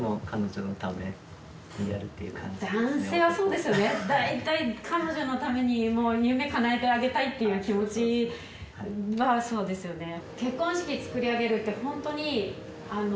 男性男性はそうですよね大体彼女のためにもう夢かなえてあげたいっていう気持ちはそうですよね